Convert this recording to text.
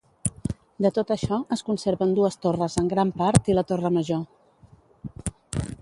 De tot això, es conserven dues torres en gran part i la torre major.